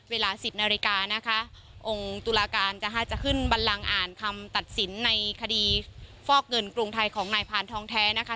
เวลาสิบนาฬิกานะคะองค์ตุลาการนะคะจะขึ้นบันลังอ่านคำตัดสินในคดีฟอกเงินกรุงไทยของนายพานทองแท้นะคะ